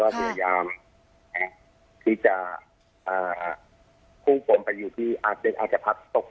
พยายามที่จะพุ่งฝนไปอยู่ที่อาจจะพัดตก